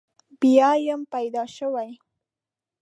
بیا یم پیدا شوی.